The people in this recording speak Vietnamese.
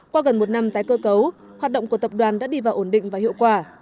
qua gần một năm tái cơ cấu hoạt động của tập đoàn đã đi vào ổn định và hiệu quả